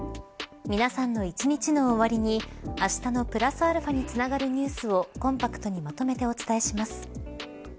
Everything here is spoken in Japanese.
皆さんの一日の終わりにあしたのプラスαにつながるニュースをコンパクトにまとめてお伝えします。